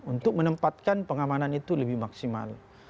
untuk menempatkan pengamanan itu lebih maksimal